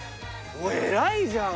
偉いじゃん。